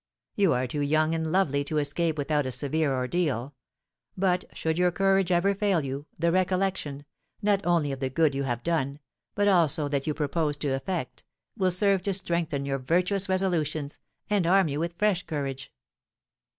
You are too young and lovely to escape without a severe ordeal; but, should your courage ever fail you, the recollection, not only of the good you have done, but also that you propose to effect, will serve to strengthen your virtuous resolutions, and arm you with fresh courage."